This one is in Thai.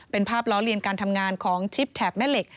เป็นภาพล้อเลียนการทำงานของชิปแถบแม่เหล็ก